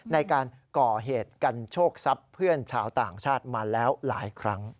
ในการก่อเหตุกันโชคทรัพย์เพื่อนชาวต่างชาติมาแล้วหลายครั้ง